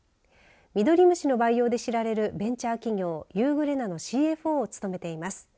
ミドリムシの培養で知られるベンチャー企業ユーグレナのＣＦＯを務めています。